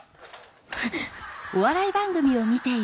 フフッ。